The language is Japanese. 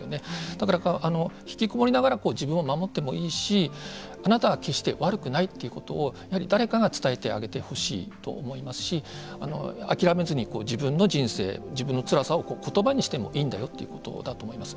だから、ひきこもりながら自分を守ってもいいしあなたは決して悪くないということを、やはり誰かが伝えてあげてほしいと思いますし諦めずに自分の人生自分のつらさを言葉にしてもいいんだよということだと思います。